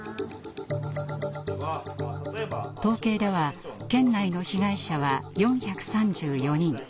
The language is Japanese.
統計では県内の被害者は４３４人。